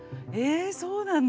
えそうなんだ。